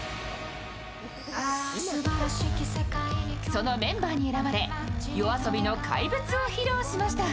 そのメンバーに選ばれ、ＹＯＡＳＯＢＩの「怪物」を披露しました。